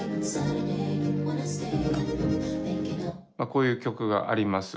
こういう曲があります。